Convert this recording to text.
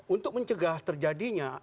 untuk mencegah terjadinya